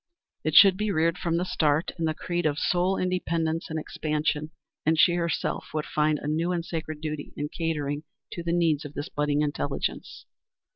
It should be reared, from the start, in the creed of soul independence and expansion, and she herself would find a new and sacred duty in catering to the needs of this budding intelligence.